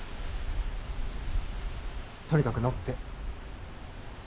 とにかく乗って。